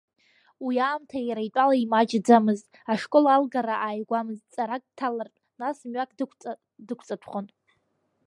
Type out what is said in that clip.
Уи аамҭа иара итәала имаҷӡамызт, ашкол алгара ааигәамызт, ҵарак дҭалартә, нас мҩак дықәҵатәхон.